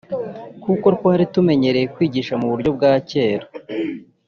kuko twari tumenyere kwigisha mu buryo bwa kera